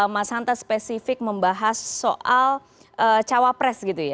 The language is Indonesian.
mas hanta spesifik membahas soal cawapres